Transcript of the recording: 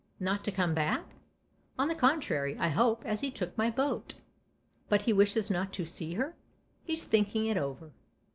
" Not to come back ?" "On the contrary, I hope, as he took' my boat." " But he wishes not to see her ?"" He's thinking it over."